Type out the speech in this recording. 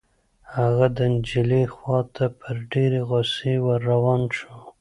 هغه د نجلۍ خوا ته په ډېرې غصې ور روان شو.